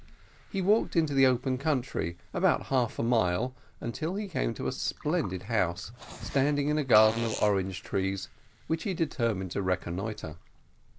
He walked into the open country about half a mile, until he came to a splendid house, standing in a garden of orange trees, which he determined to reconnoitre.